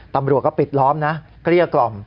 ตำรวจก็ปิดล้อมนะเกลี้ยกล่อม